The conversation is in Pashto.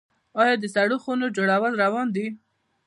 آیا د سړو خونو جوړول روان دي؟